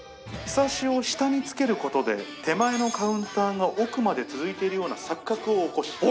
ひさしを下につけることで、手前のカウンターが奥まで続いているような錯覚を起こし。